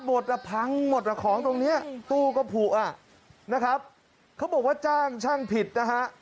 หมดแล้วพังหมดแล้วของตรงนี้ตู้กระผูอ่ะนะครับเขาบอกว่าจ้างช่างผิดนะ